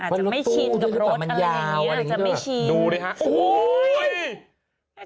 อาจจะไม่ชินกับรถอาจจะไม่ชินดูเลยฮะโอ้โห